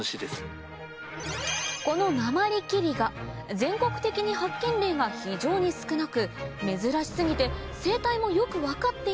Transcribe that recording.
この全国的に発見例が非常に少なく珍し過ぎて生態もよく分かっていない